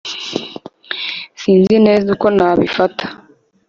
sinzi neza uko nabifata